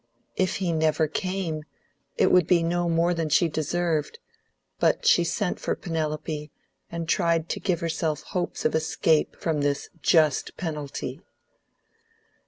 If he never came, it would be no more than she deserved; but she sent for Penelope, and tried to give herself hopes of escape from this just penalty.